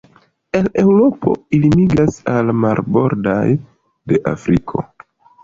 El Eŭropo ili migras al marbordoj de Afriko.